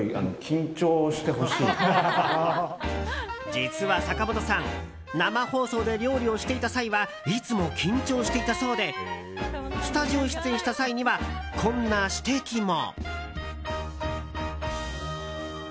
実は、坂本さん生放送で料理をしていた際はいつも緊張していたそうでスタジオ出演した際にはこんな指摘も。